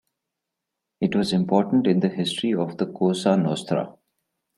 It was important in the history of the Cosa Nostra.